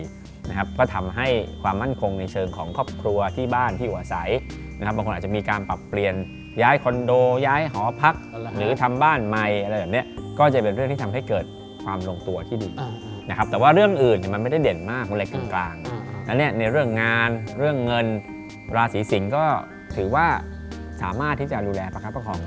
นะครับก็ทำให้ความมั่นคงในเชิงของครอบครัวที่บ้านที่อยู่อาศัยนะครับบางคนอาจจะมีการปรับเปลี่ยนย้ายคอนโดย้ายหอพักหรือทำบ้านใหม่อะไรแบบเนี้ยก็จะเป็นเรื่องที่ทำให้เกิดความลงตัวที่ดีนะครับแต่ว่าเรื่องอื่นเนี่ยมันไม่ได้เด่นมากอะไรกึ่งกลางดังนั้นเนี่ยในเรื่องงานเรื่องเงินราศีสิงศ์ก็ถือว่าสามารถที่จะดูแลประคับประคอง